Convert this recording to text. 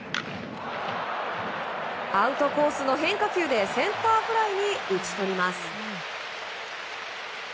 アウトコースの変化球でセンターフライに打ち取ります。